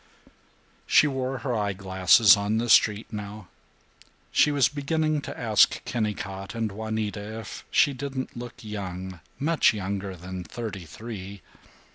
She wore her eye glasses on the street now. She was beginning to ask Kennicott and Juanita if she didn't look young, much younger than thirty three.